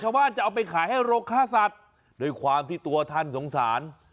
ชาวบ้านจะเอาไปขายให้โรคฆาตสัตว์โดยความที่ตัวท่านสงสาร